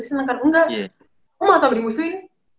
seneng kan enggak kok gak tau dimusuhin